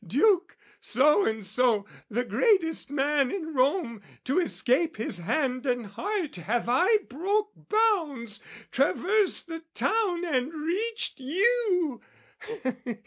"Duke So and So, the greatest man in Rome "To escape his hand and heart have I broke bounds, "Traversed the town and reached you!"